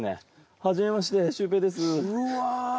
初めましてシュウペイです。